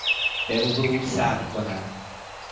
به او بگو صبر کند.